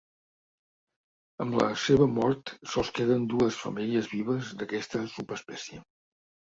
Amb la seva mort sols queden dues femelles vives d'aquesta subespècie.